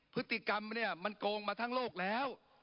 พฤติกรรมเนี่ยมันโกงมาทั้งโลกแล้ว